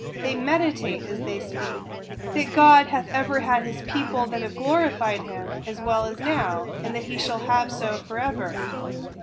they meditate as they speak, that God hath ever had his people that have glorified him, as well as now, and that he shall have so for ever.